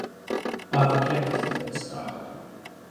I’ve kept that style.